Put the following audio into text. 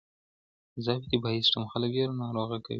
ضعیف دفاعي سیستم خلک ژر ناروغه کوي.